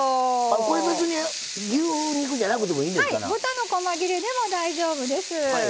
豚のこま切れでも大丈夫です。